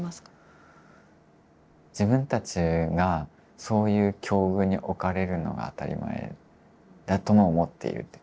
自分たちがそういう境遇に置かれるのが当たり前だと思っている。